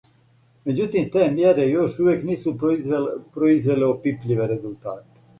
Меđутим, те мјере још увијек нису произвеле опипљиве резултате.